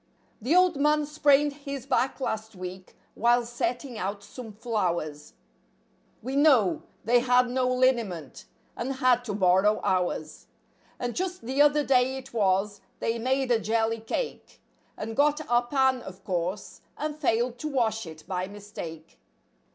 The old man sprained his back last week while setting out some flowers; We know—they had no liniment, and had to borrow ours; And just the other day it was, they made a jelly cake. And got our pan, of course, and failed to wash it, by mistake.